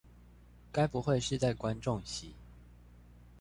該不會是在觀眾席